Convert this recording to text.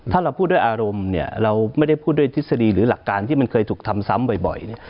ถ้าเราพูดด้วยอารมณ์เนี่ยเราไม่ได้พูดด้วยทฤษฎีหรือหลักการที่มันเคยถูกทำซ้ำบ่อยเนี่ย